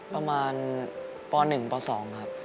ประมาณปหนึ่งปสองครับ